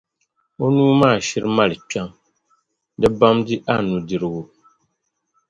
a nuu maa shiri mali kpiɔŋ, di bamdi a nudirigu.